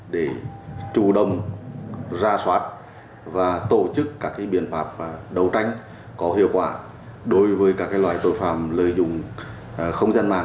để chủ động ra soát và tổ chức các biện pháp đấu tranh có hiệu quả đối với các loại tội phạm lợi dụng không gian mạng